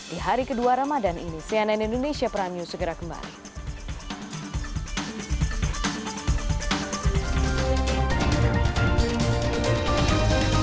di hari kedua ramadan ini cnn indonesia prime news segera kembali